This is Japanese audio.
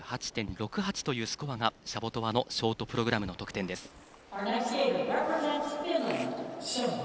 ４８．６１というスコアがシャボトワのショートプログラムの得点です。